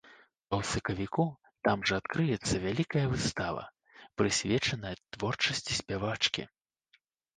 А ў сакавіку там жа адкрыецца вялікая выстава, прысвечаная творчасці спявачкі.